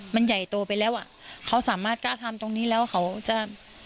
มันใหญ่โตไปแล้วอ่ะเขาสามารถกล้าทำตรงนี้แล้วเขาจะ